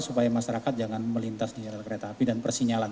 supaya masyarakat jangan melintas di jalan kereta api dan persinyalan